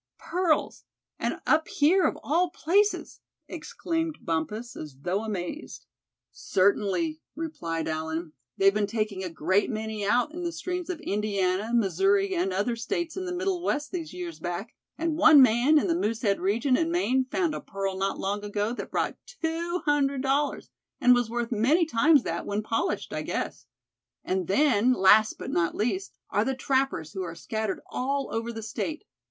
"Pearls, and up here of all places!" exclaimed Bumpus, as though amazed. "Certainly," replied Allen. "They've been taking a great many out in the streams of Indiana, Missouri and other states in the middle West these years back, and one man in the Moosehead region in Maine found a pearl not long ago that brought two hundred dollars, and was worth many times that when polished, I guess. And then, last but not least, are the trappers who are scattered all over the state.